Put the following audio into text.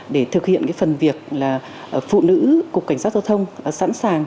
để thực hiện phần việc là phụ nữ cục cảnh sát giao thông sẵn sàng